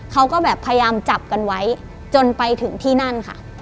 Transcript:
เขาก็แบบพยายามจับกันไว้จนไปถึงที่นั่นค่ะ